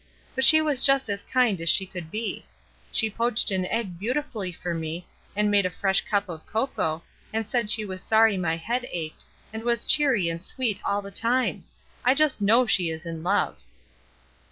But she was just as kind as she could be. She poached an egg beautifully for me, and made a fresh cup of cocoa, and said she was sorry my head ached, and was cheery and sweet all the time. I just know she is in love."